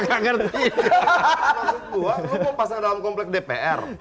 maksud gue lo mau pasang dalam komplek dpr